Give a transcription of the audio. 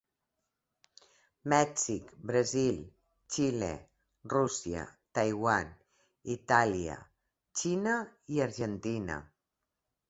Mèxic, Brasil, Xile, Rússia, Taiwan, Itàlia, Xina i Argentina.